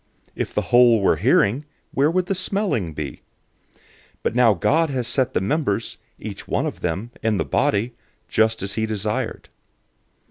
If the whole were hearing, where would the smelling be? 012:018 But now God has set the members, each one of them, in the body, just as he desired.